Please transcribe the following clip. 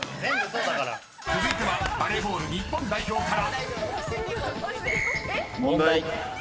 ［続いてはバレーボール日本代表から］